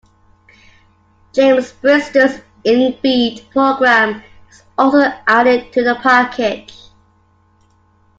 James Brister's "innfeed" program was also added to the package.